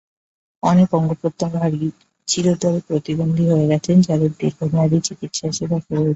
অনেকে অঙ্গ-প্রত্যঙ্গ হারিয়ে চিরতরে প্রতিবন্ধী হয়ে গেছেন, যাঁদের দীর্ঘমেয়াদি চিকিৎসাসেবা প্রয়োজন।